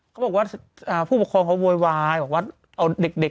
เขาบอกว่าผู้ปกครองเขาโวยวายบอกว่าเอาเด็ก